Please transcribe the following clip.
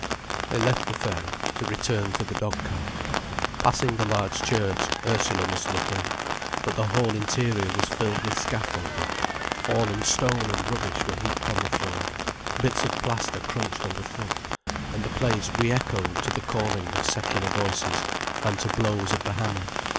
They left the fair, to return for the dog cart. Passing the large church, Ursula must look in. But the whole interior was filled with scaffolding, fallen stone and rubbish were heaped on the floor, bits of plaster crunched underfoot, and the place re echoed to the calling of secular voices and to blows of the hammer.